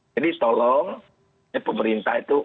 jadi tolong pemerintah itu